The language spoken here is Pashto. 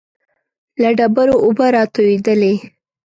له ډبرو اوبه را تويېدلې.